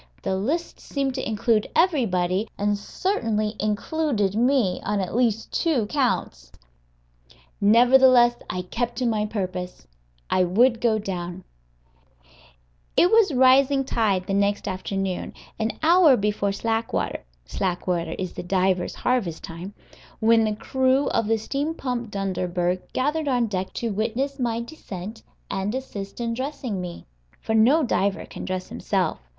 The list seemed to include everybody, and certainly included me on at least two counts. Nevertheless I kept to my purpose; I would go down. [Illustration: THE AUTHOR GOING DOWN IN A DIVER'S SUIT.] It was rising tide the next afternoon, an hour before slack water (slack water is the diver's harvest time), when the crew of the steam pump Dunderberg gathered on deck to witness my descent and assist in dressing me; for no diver can dress himself.